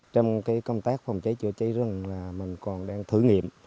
trong công tác phòng cháy chữa cháy rừng là mình còn đang thử nghiệm